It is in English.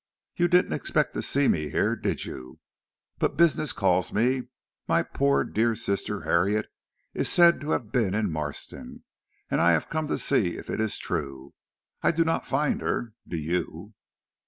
"You didn't expect to see me here, did you? But business calls me. My poor, dear sister Harriet is said to have been in Marston, and I have come to see if it is true. I do not find her, do you?"